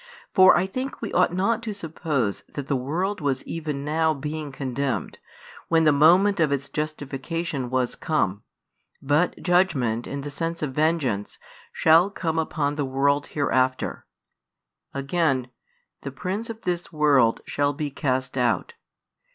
For I think we ought not to suppose that the world was even now being condemned, when the moment of its justification was come; but judgment, in the sense of vengeance, shall come upon the world hereafter. Again: the prince of this world shall be cast out.